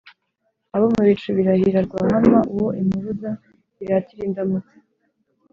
Abo mu bicu birahira RwahamaUwo impuruza iratira indamutsa